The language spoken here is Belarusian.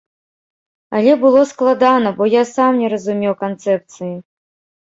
Але было складана, бо я сам не разумеў канцэпцыі.